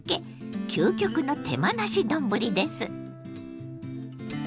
究極の手間なし丼です。